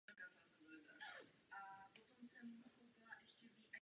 Československý tisk reagoval na puč na prvních stranách.